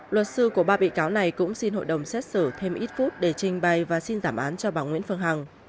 luật sư của ba bị cáo này cũng xin hội đồng xét xử thêm ít phút để trình bày và xin giảm án cho bà nguyễn phương hằng